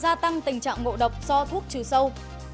sơn la gia tăng tình trạng ngộ độc do thuốc trừ sâu